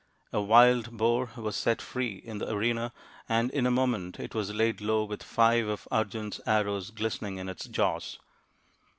A wild boar was set free in the arena and in a moment it was laid low with five of Arjun's arrows glistening in its jaws.